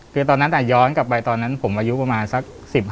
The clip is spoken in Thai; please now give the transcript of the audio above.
คือตอนนั้นย้อนกลับไปตอนนั้นผมอายุประมาณสัก๑๕